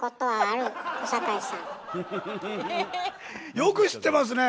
よく知ってますね！